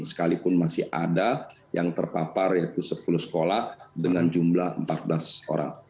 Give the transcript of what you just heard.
sekalipun masih ada yang terpapar yaitu sepuluh sekolah dengan jumlah empat belas orang